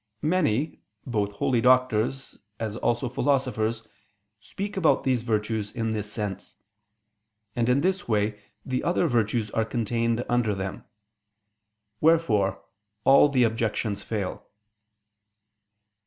Many, both holy doctors, as also philosophers, speak about these virtues in this sense: and in this way the other virtues are contained under them. Wherefore all the objections fail.